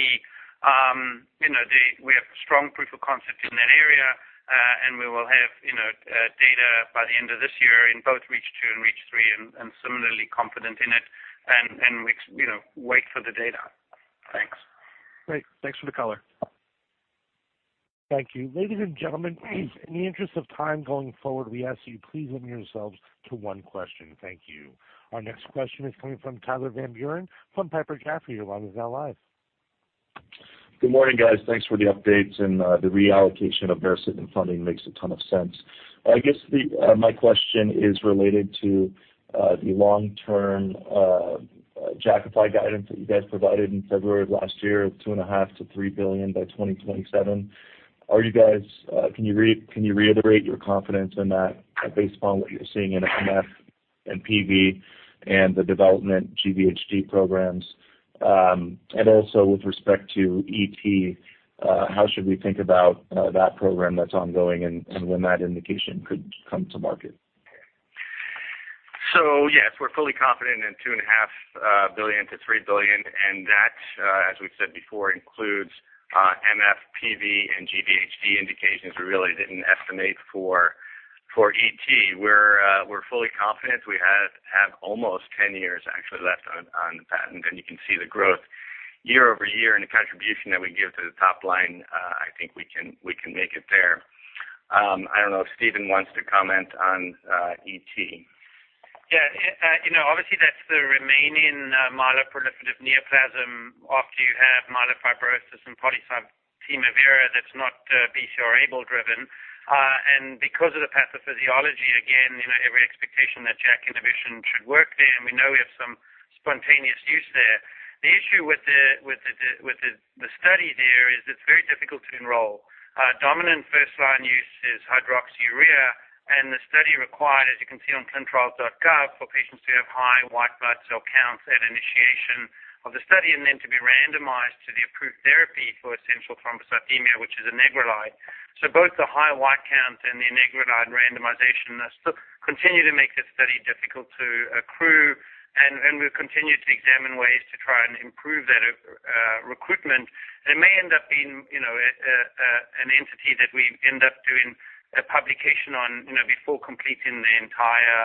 We have strong proof of concept in that area. We will have data by the end of this year in both REACH2 and REACH3 and similarly confident in it and wait for the data. Thanks. Great. Thanks for the color. Thank you. Ladies and gentlemen, please, in the interest of time going forward, we ask you please limit yourselves to one question. Thank you. Our next question is coming from Tyler Van Buren from Piper Jaffray. Your line is now live. Good morning, guys. Thanks for the updates and the reallocation of baricitinib funding makes a ton of sense. I guess my question is related to the long-term Jakafi guidance that you guys provided in February of last year, $2.5 billion-$3 billion by 2027. Can you reiterate your confidence in that based upon what you're seeing in MF and PV and the development GVHD programs? Also with respect to ET, how should we think about that program that's ongoing and when that indication could come to market? Yes, we're fully confident in $2.5 billion-$3 billion, and that, as we've said before, includes MF, PV, and GVHD indications. We really didn't estimate for ET. We're fully confident. We have almost 10 years actually left on the patent, and you can see the growth year-over-year and the contribution that we give to the top line. I think we can make it there. I don't know if Steven wants to comment on ET. Yeah. Obviously, that's the remaining myeloproliferative neoplasm after you have myelofibrosis and polycythemia vera that's not BCR-ABL driven. Because of the pathophysiology, again, every expectation that JAK inhibition should work there, and we know we have some spontaneous use there. The issue with the study there is it's very difficult to enroll. Dominant first-line use is hydroxyurea, and the study required, as you can see on clinicaltrials.gov, for patients to have high white blood cell counts at initiation of the study and then to be randomized to the approved therapy for essential thrombocythemia, which is anagrelide. Both the high white count and the anagrelide randomization continue to make this study difficult to accrue, and we'll continue to examine ways to try and improve that recruitment. It may end up being an entity that we end up doing a publication on before completing the entire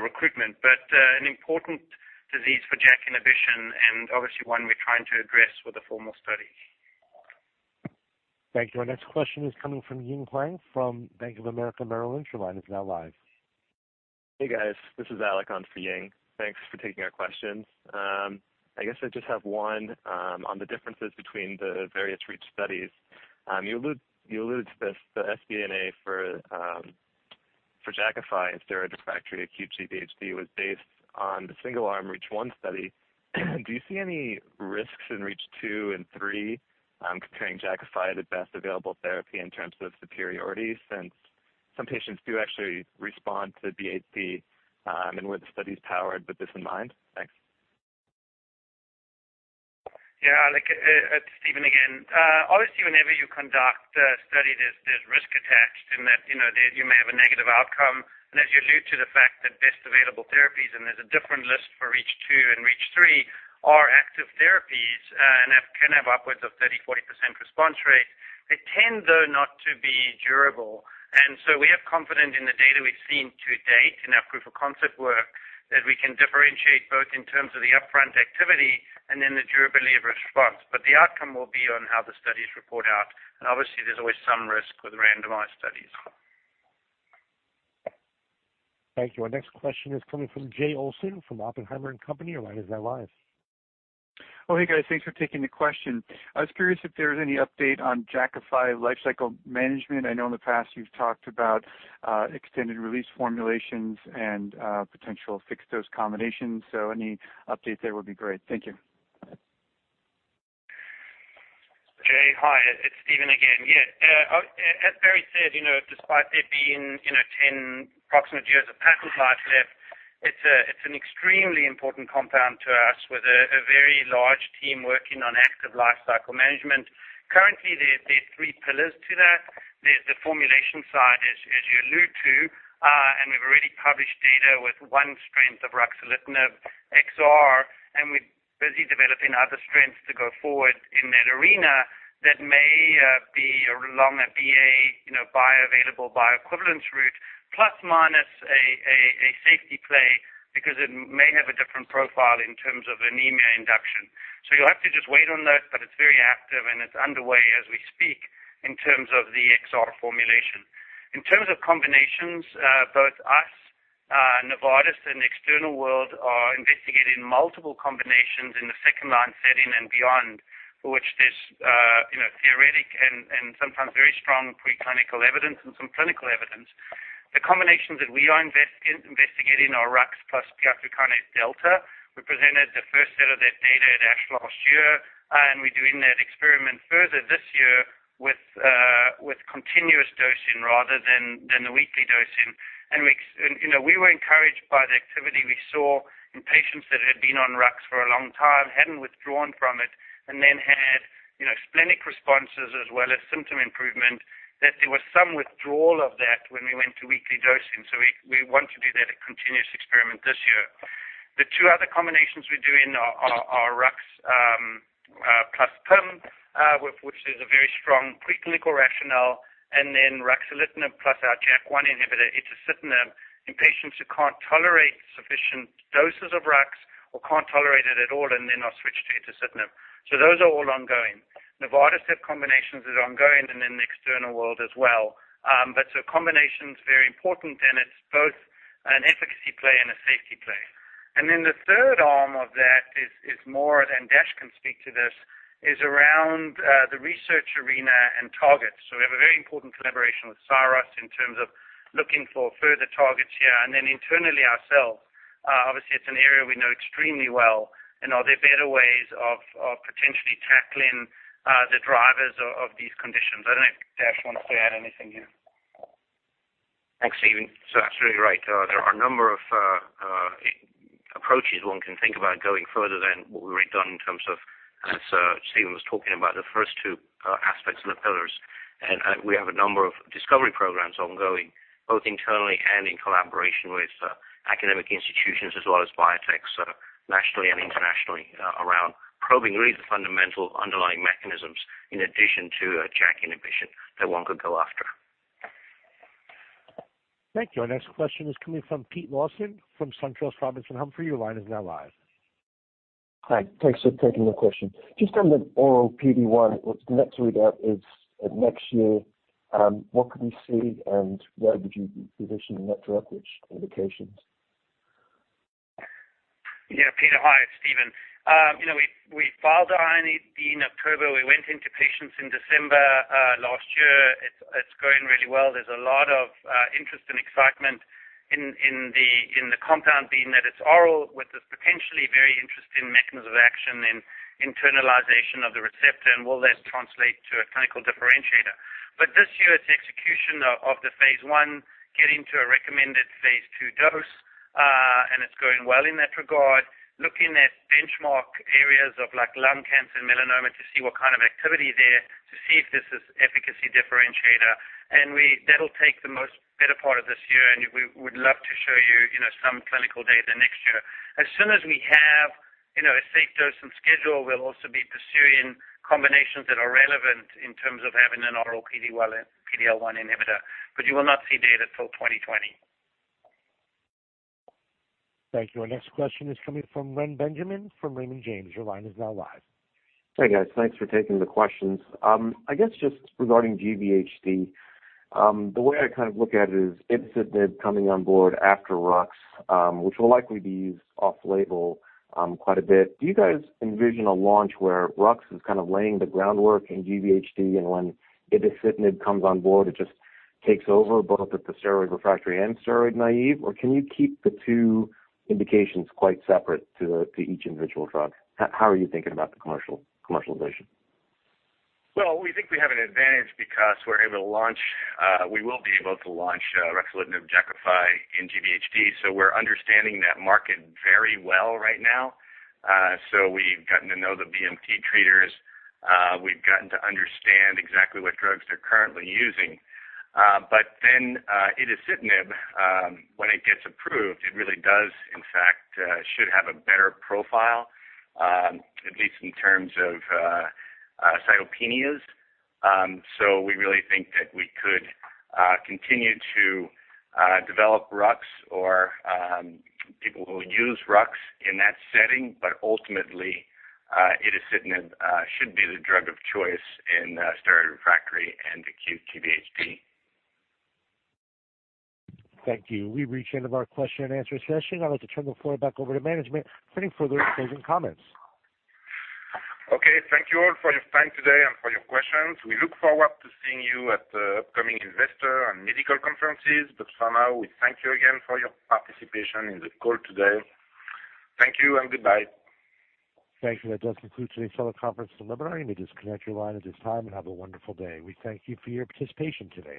recruitment. An important disease for JAK inhibition and obviously one we're trying to address with a formal study. Thank you. Our next question is coming from Ying Huang from Bank of America Merrill Lynch. Your line is now live. Hey guys, this is Alec on for Ying. Thanks for taking our questions. I guess I just have one on the differences between the various REACH studies. You allude to this, the sNDA for Jakafi and steroid-refractory acute GVHD was based on the single-arm REACH1 study. Do you see any risks in REACH 2 and 3 comparing Jakafi to best available therapy in terms of superiority, since some patients do actually respond to BAT and where the study's powered with this in mind? Thanks. Alec, it's Steven again. Obviously, whenever you conduct a study, there's risk attached in that you may have a negative outcome. As you allude to the fact that best available therapies, and there's a different list for REACH 2 and REACH 3, are active therapies and can have upwards of 30%, 40% response rates. They tend, though, not to be durable. We have confidence in the data we've seen to date in our proof of concept work that we can differentiate both in terms of the upfront activity and then the durability of response. The outcome will be on how the studies report out. Obviously there's always some risk with randomized studies. Thank you. Our next question is coming from Jay Olson from Oppenheimer & Co.. Your line is now live. Oh, hey guys. Thanks for taking the question. I was curious if there was any update on Jakafi lifecycle management. I know in the past you've talked about extended-release formulations and potential fixed-dose combinations, any update there would be great. Thank you. Jay, hi. It's Steven again. Yeah. As Barry said, despite there being 10 approximate years of patent life left, it's an extremely important compound to us with a very large team working on active lifecycle management. Currently, there are three pillars to that. There's the formulation side, as you allude to, and we've already published data with one strength of ruxolitinib XR, and we're busy developing other strengths to go forward in that arena that may be along a BA, bioavailable, bioequivalence route, plus minus a safety play because it may have a different profile in terms of anemia induction. You'll have to just wait on that, but it's very active and it's underway as we speak in terms of the XR formulation. In terms of combinations, both us, Novartis, and the external world are investigating multiple combinations in the second-line setting and beyond, for which there's theoretic and sometimes very strong preclinical evidence and some clinical evidence. The combinations that we are investigating are Rux plus parsaclisib. We presented the first set of that data at ASH last year, we're doing that experiment further this year with continuous dosing rather than the weekly dosing. We were encouraged by the activity we saw in patients that had been on Rux for a long time, hadn't withdrawn from it, and then had splenic responses as well as symptom improvement, that there was some withdrawal of that when we went to weekly dosing. We want to do that continuous experiment this year. The two other combinations we're doing are rux plus pemi, which there's a very strong preclinical rationale, then ruxolitinib plus our JAK1 inhibitor, itacitinib, in patients who can't tolerate sufficient doses of rux or can't tolerate it at all and then are switched to itacitinib. Those are all ongoing. Novartis have combinations that are ongoing and in the external world as well. Combination's very important, and it's both an efficacy play and a safety play. The third arm of that is more, and Dash can speak to this, is around the research arena and targets. We have a very important collaboration with Syros in terms of looking for further targets here, and then internally ourselves. Obviously, it's an area we know extremely well. Are there better ways of potentially tackling the drivers of these conditions? I don't know if Dash wants to add anything here. Thanks, Steven. Absolutely right. There are a number of approaches one can think about going further than what we've already done in terms of, as Steven was talking about, the first two aspects and the pillars. We have a number of discovery programs ongoing, both internally and in collaboration with academic institutions as well as biotechs, nationally and internationally, around probing really the fundamental underlying mechanisms in addition to JAK inhibition that one could go after. Thank you. Our next question is coming from Peter Lawson from SunTrust Robinson Humphrey. Your line is now live. Hi. Thanks for taking the question. Just on the oral PD-L1, what's next readout is next year. What could we see, and where would you be positioning that drug, which indications? Yeah, Peter, hi. It's Steven. We filed our IND in October. We went into patients in December last year. It's going really well. There's a lot of interest and excitement in the compound being that it's oral with this potentially very interesting mechanism of action and internalization of the receptor and will this translate to a clinical differentiator. This year, it's execution of the phase I, getting to a recommended phase II dose. It's going well in that regard. Looking at benchmark areas of lung cancer and melanoma to see what kind of activity there, to see if this is efficacy differentiator. That'll take the most better part of this year, and we would love to show you some clinical data next year. As soon as we have a safe dose and schedule, we'll also be pursuing combinations that are relevant in terms of having an oral PD-L1 inhibitor, but you will not see data till 2020. Thank you. Our next question is coming from Reni Benjamin from Raymond James. Your line is now live. Hey, guys. Thanks for taking the questions. Regarding GVHD. The way I kind of look at it is itacitinib coming on board after Rux, which will likely be used off-label quite a bit. Do you guys envision a launch where Rux is kind of laying the groundwork in GVHD, and when itacitinib comes on board, it just takes over both at the steroid refractory and steroid naive? Can you keep the two indications quite separate to each individual drug? How are you thinking about the commercialization? We think we have an advantage because we will be able to launch ruxolitinib, Jakafi, in GVHD. We're understanding that market very well right now. We've gotten to know the BMT treaters. We've gotten to understand exactly what drugs they're currently using. Itacitinib, when it gets approved, it really does, in fact, should have a better profile, at least in terms of cytopenias. We really think that we could continue to develop Rux or people will use Rux in that setting. Ultimately, itacitinib should be the drug of choice in steroid refractory and acute GVHD. Thank you. We've reached the end of our question-and-answer session. I'd like to turn the floor back over to management for any further closing comments. Okay. Thank you all for your time today and for your questions. We look forward to seeing you at the upcoming investor and medical conferences. We thank you again for your participation in the call today. Thank you and goodbye. Thank you. That does conclude today's teleconference. All operators may disconnect your line at this time, and have a wonderful day. We thank you for your participation today.